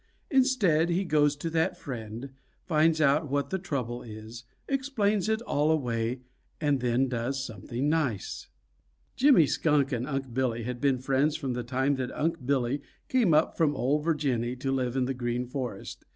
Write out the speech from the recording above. Instead, he goes to that friend, finds out what the trouble is, explains it all away, and then does something nice. Jimmy Skunk and Unc' Billy had been friends from the time that Unc' Billy came up from ol' Virginny to live in the Green Forest.